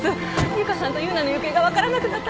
由香さんと優奈の行方が分からなくなったんです